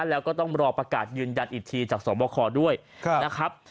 แล้วก็ต้องรอประกาศยืนยันอีกทีจากสวบคด้วยนะครับ